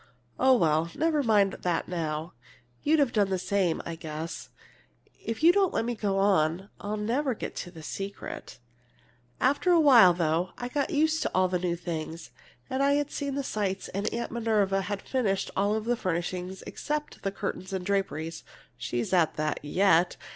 "Oh well, never mind that now! You'd have done the same, I guess. If you don't let me go on, I'll never get to the secret! After a while, though, I got used to all the new things, and I'd seen all the sights, and Aunt Minerva had finished all the furnishing except the curtains and draperies (she's at that, yet!)